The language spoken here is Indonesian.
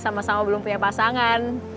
sama sama belum punya pasangan